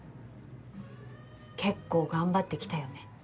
結構頑張ってきたよね。